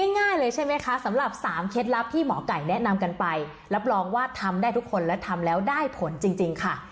ง่ายเลยใช่ไหมคะสำหรับ๓เคล็ดลับที่หมอไก่แนะนำกันไปรับรองว่าทำได้ทุกคนและทำแล้วได้ผลจริงค่ะ